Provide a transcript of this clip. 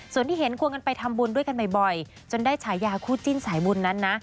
ส่วนที่เห็นควงกันไปทำบุญด้วยกันบ่อยจนได้ฉายาคู่จิ้นสายบุญนั้นนะ